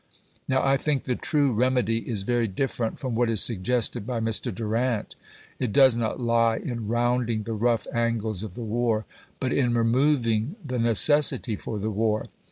Now, I think the true remedy chap. viii. is very different from what is suggested by Mr. Durant. It does not lie in rounding the rough angles of the war, but in removing the necessity for the war.